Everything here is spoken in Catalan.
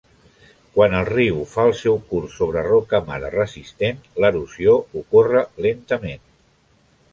Quan el riu fa el seu curs sobre roca mare resistent, l'erosió ocorre lentament.